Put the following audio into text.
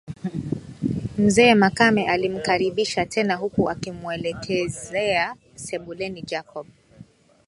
Mzee Makame alimkaribisha tena huku akimuelekezea sebuleni Jacob